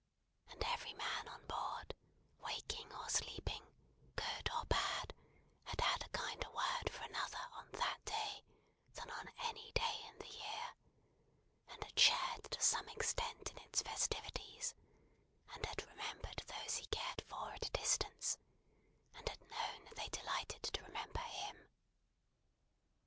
And every man on board, waking or sleeping, good or bad, had had a kinder word for another on that day than on any day in the year; and had shared to some extent in its festivities; and had remembered those he cared for at a distance, and had known that they delighted to remember him.